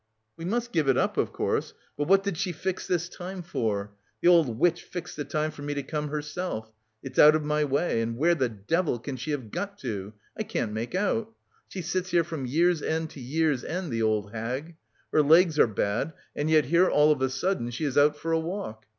"We must give it up, of course, but what did she fix this time for? The old witch fixed the time for me to come herself. It's out of my way. And where the devil she can have got to, I can't make out. She sits here from year's end to year's end, the old hag; her legs are bad and yet here all of a sudden she is out for a walk!"